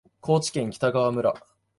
高知県北川村